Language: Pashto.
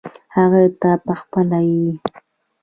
هغه ته پخپله یې .